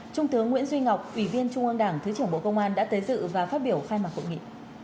trung tướng nguyễn duy ngọc ủy viên trung ương đảng thứ trưởng bộ công an đã tới dự và phát biểu khai mạc hội nghị